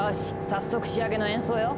早速仕上げの演奏よ！